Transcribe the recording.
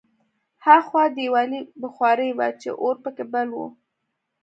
هاخوا دېوالي بخارۍ وه چې اور پکې بل و